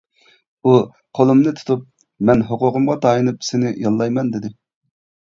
ئۇ قولۇمنى تۇتۇپ: «مەن ھوقۇقۇمغا تايىنىپ سېنى ياللايمەن» دېدى.